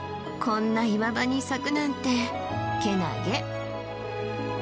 こんな岩場に咲くなんてけなげ。